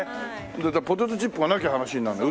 ポテトチップがなきゃ話になんない。